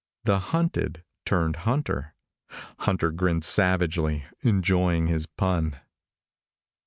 The hunted turned hunter. Hunter grinned savagely, enjoying his pun.